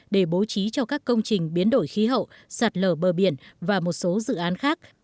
để bố trí cho các công trình biến đổi khí hậu sạt lở bờ biển và một số dự án khác